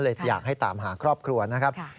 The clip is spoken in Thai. อยากให้ตามหาครอบครัวนะครับ